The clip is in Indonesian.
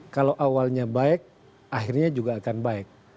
kalau awalnya baik akhirnya juga akan baik